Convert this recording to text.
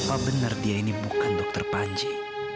apa benar dia ini bukan dokter panji